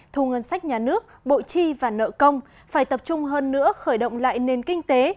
thu ngân sách nhà nước bộ chi và nợ công phải tập trung hơn nữa khởi động lại nền kinh tế